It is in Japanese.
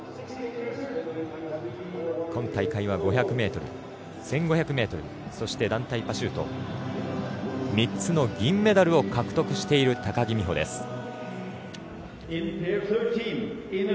今大会は５００ｍ、１５００ｍそして団体パシュート３つの銀メダルを獲得している高木美帆です。